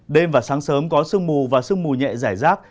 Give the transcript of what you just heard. đêm và sáng sớm có sương mù và sương mù nhẹ giải rác